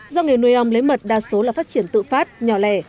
do nghề nuôi ong lấy mật đa số là phát triển tự phát nhỏ lẻ